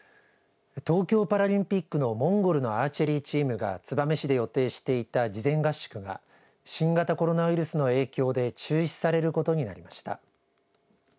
東京パラリンピックのモンゴルのアーチェリーチームが燕市で予定していた事前合宿が新型コロナウイルスの影響で中止されることになりました。